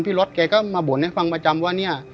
รถแกก็มาบ่นให้ฟังประจำว่าเนี่ย